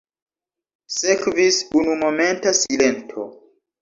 Sekvis unumomenta silento.